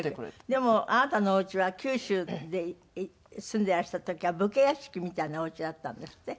でもあなたのおうちは九州で住んでいらした時は武家屋敷みたいなおうちだったんですって？